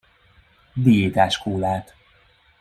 Diétás kólát.